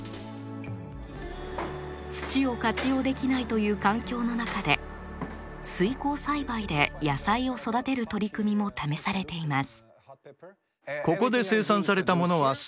土を活用できないという環境の中で水耕栽培で野菜を育てる取り組みも試されています。